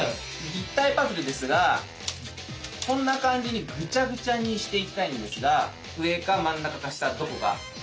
立体パズルですがこんな感じにグチャグチャにしていきたいんですが上か真ん中か下どこがいいですか？